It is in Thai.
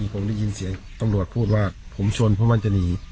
ผมได้ยินเสียงตำรวจพูดว่าผมชนเพราะมันจะหนี